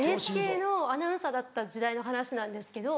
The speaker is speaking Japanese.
ＮＨＫのアナウンサーだった時代の話なんですけど。